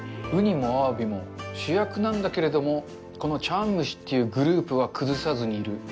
ウニもアワビも主役なんだけれども、この茶わん蒸しっていうグループは崩さずにいる。